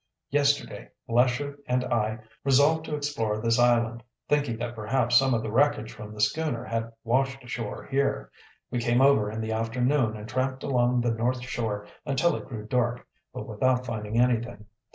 Yesterday Lesher and I resolved to explore this island, thinking that perhaps some of the wreckage from the schooner had washed ashore here. We came over in the afternoon and tramped along the north shore until it grew dark, but without finding anything.